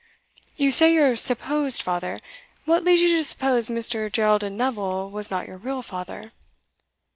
"You say your supposed father? What leads you to suppose Mr. Geraldin Neville was not your real father?"